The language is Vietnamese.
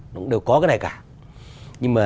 cũng đều có cái này cả nhưng mà